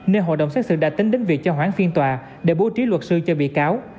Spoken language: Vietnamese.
nên hội đồng xét xử đã tính đến việc cho hoãn phiên tòa để bố trí luật sư cho bị cáo